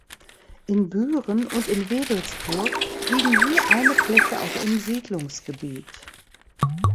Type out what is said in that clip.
In Büren und in Wewelsburg liegen je eine Fläche auch im Siedlungsgebiet.